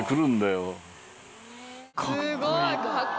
すごい。